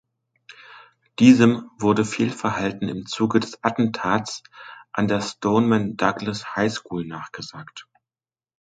Diesem wurde Fehlverhalten im Zuge des Attentats an der Stoneman Douglas High School nachgesagt.